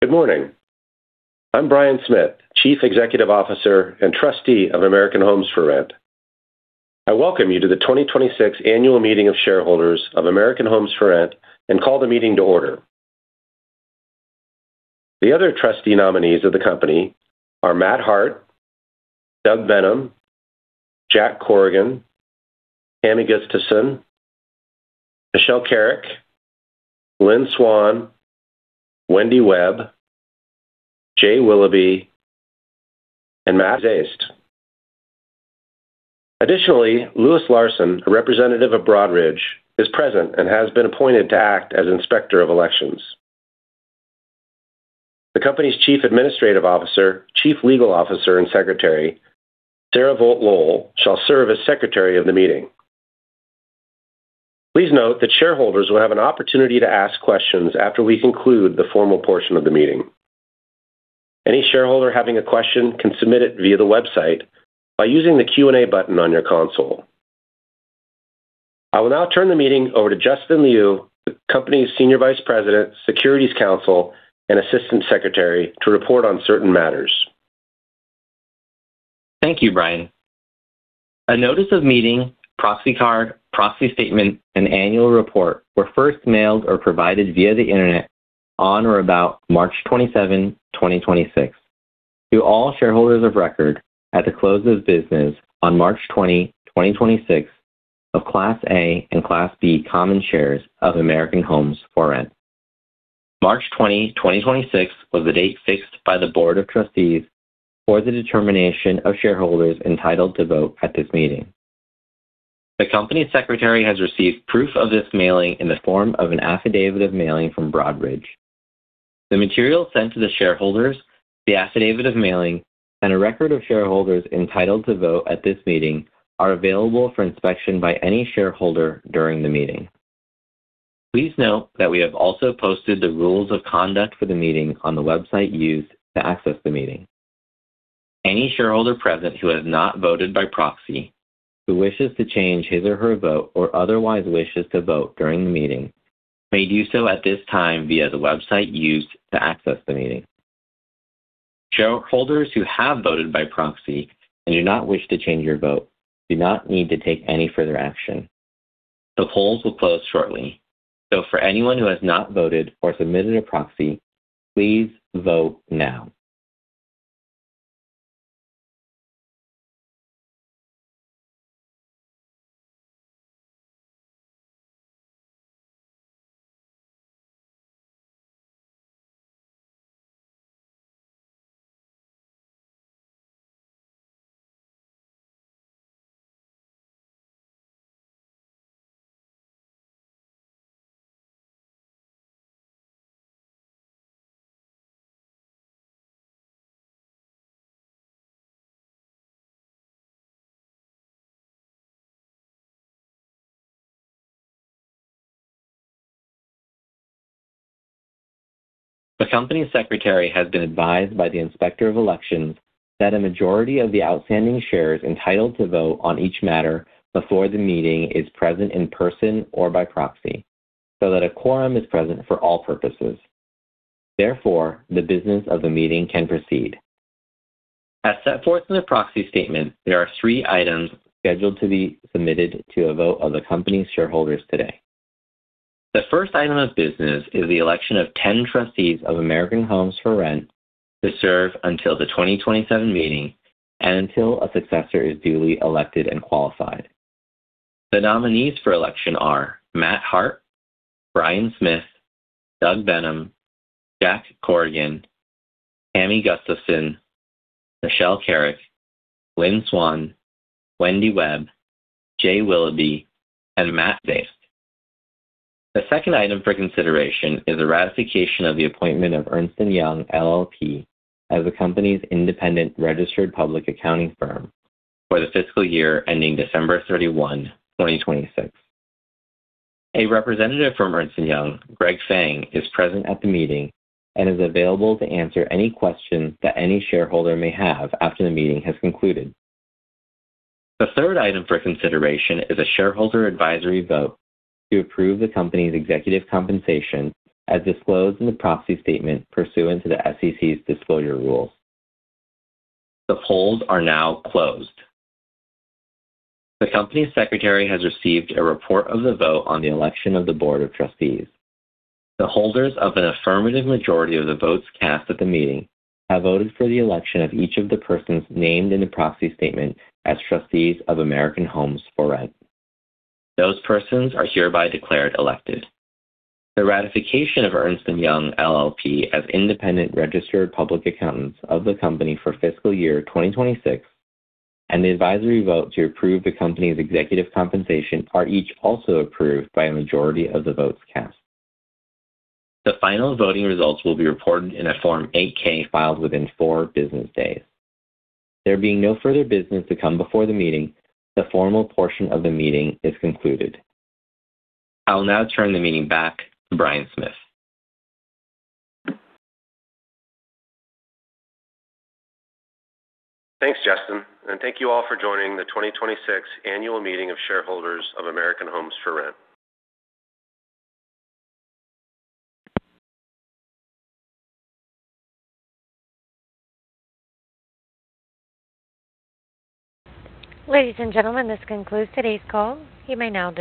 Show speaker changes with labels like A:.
A: Good morning. I'm Bryan Smith, Chief Executive Officer and Trustee of American Homes 4 Rent. I welcome you to the 2026 annual meeting of shareholders of American Homes 4 Rent and call the meeting to order. The other Trustee nominees of the company are Matthew J. Hart, Douglas N. Benham, John Corrigan, Tamara Hughes Gustavson, Michelle C. Kerrick, Lynn C. Swann, Winifred M. Webb, Jay Willoughby, and Matt Zaist. Additionally Lewis Larson, a representative of Broadridge, is present and has been appointed to act as Inspector of Elections. The company's Chief Administrative Officer, Chief Legal Officer and Secretary, Sara Vogt-Lowell, shall serve as Secretary of the meeting. Please note that shareholders will have an opportunity to ask questions after we conclude the formal portion of the meeting. Any shareholder having a question can submit it via the website by using the Q&A button on your console. I will now turn the meeting over to Justin Liu, the company's Senior Vice President, Securities Counsel, and Assistant Secretary to report on certain matters.
B: Thank you, Bryan. A notice of meeting, proxy card, proxy statement, and annual report were first mailed or provided via the Internet on or about March 27, 2026 to all shareholders of record at the close of business on March 20, 2026 of Class A and Class B common shares of American Homes 4 Rent. March 20, 2026 was the date fixed by the Board of Trustees for the determination of shareholders entitled to vote at this meeting. The company's secretary has received proof of this mailing in the form of an affidavit of mailing from Broadridge. The material sent to the shareholders, the affidavit of mailing, and a record of shareholders entitled to vote at this meeting are available for inspection by any shareholder during the meeting. Please note that we have also posted the rules of conduct for the meeting on the website used to access the meeting. Any shareholder present who has not voted by proxy, who wishes to change his or her vote, or otherwise wishes to vote during the meeting, may do so at this time via the website used to access the meeting. Shareholders who have voted by proxy and do not wish to change your vote do not need to take any further action. The polls will close shortly. For anyone who has not voted or submitted a proxy, please vote now. The company's secretary has been advised by the Inspector of Elections that a majority of the outstanding shares entitled to vote on each matter before the meeting is present in person or by proxy, so that a quorum is present for all purposes. Therefore, the business of the meeting can proceed. As set forth in the proxy statement, there are three items scheduled to be submitted to a vote of the company's shareholders today. The first item of business is the election of 10 trustees of American Homes 4 Rent to serve until the 2027 meeting and until a successor is duly elected and qualified. The nominees for election are Matthew J. Hart, Bryan Smith, Douglas N. Benham, John Corrigan, Tamara Hughes Gustavson, Michelle C. Kerrick, Lynn C. Swann, Winifred M. Webb, Jay Willoughby, and Matt Zaist. The second item for consideration is the ratification of the appointment of Ernst & Young LLP as the company's independent registered public accounting firm for the fiscal year ending December 31, 2026. A representative from Ernst & Young, Greg Fang, is present at the meeting and is available to answer any question that any shareholder may have after the meeting has concluded. The third item for consideration is a shareholder advisory vote to approve the company's executive compensation as disclosed in the proxy statement pursuant to the SEC's disclosure rules. The polls are now closed. The company's secretary has received a report of the vote on the election of the board of trustees. The holders of an affirmative majority of the votes cast at the meeting have voted for the election of each of the persons named in the proxy statement as trustees of American Homes 4 Rent. Those persons are hereby declared elected. The ratification of Ernst & Young LLP as independent registered public accountants of the company for fiscal year 2026 and the advisory vote to approve the company's executive compensation are each also approved by a majority of the votes cast. The final voting results will be reported in a Form 8-K filed within four business days. There being no further business to come before the meeting, the formal portion of the meeting is concluded. I will now turn the meeting back to Bryan Smith.
A: Thanks, Justin, and thank you all for joining the 2026 annual meeting of shareholders of American Homes 4 Rent.
C: Ladies and gentlemen, this concludes today's call. You may now disconnect.